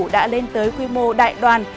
đã lên tới quy mô đại đoàn